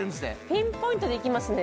ピンポイントでいきますね